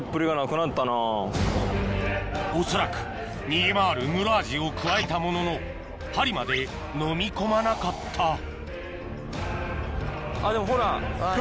恐らく逃げ回るムロアジをくわえたものの針までのみ込まなかったあっでもほら。